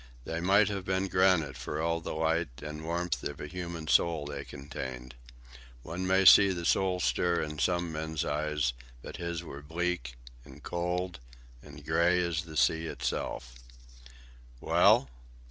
They might have been granite for all the light and warmth of a human soul they contained. One may see the soul stir in some men's eyes, but his were bleak, and cold, and grey as the sea itself. "Well?"